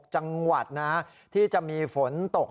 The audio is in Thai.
จังหวัดนะที่จะมีฝนตก